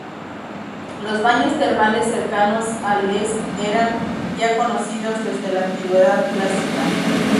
Los baños termales cercanos a Les eran ya conocidos desde la Antigüedad clásica.